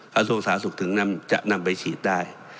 กระทรวงศาสตร์ศุกร์ถึงจะนำไปฉีดได้